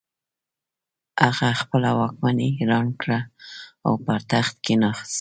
هغه خپله واکمني اعلان کړه او پر تخت کښېناست.